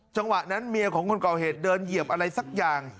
จังหวะนั้นเมียของคนก่อเหตุเดินเหยียบอะไรสักอย่าง